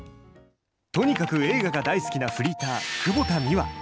とにかく映画が大好きなフリーター、久保田ミワ。